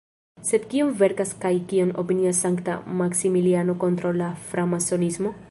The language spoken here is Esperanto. Sed kion verkas kaj kion opinias sankta Maksimiliano kontraŭ la Framasonismo?